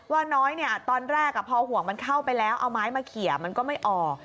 ว่าน้อยตอนแรกพอห่วงมันเข้าไปแล้วเอาไม้มาเขียมันก็ไม่ออก